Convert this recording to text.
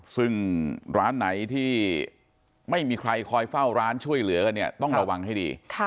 ซึ่งร้านไหนที่ไม่มีใครคอยเฝ้าร้านช่วยเหลือกันเนี่ยต้องระวังให้ดี